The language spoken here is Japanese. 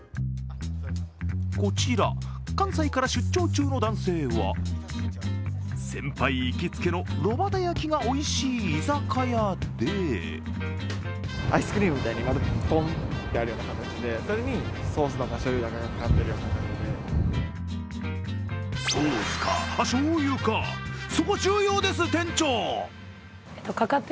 こちら関西から出張中の男性は、先輩行きつけの炉端焼きがおいしい居酒屋でソースかしょうゆかそこ重要です、店長！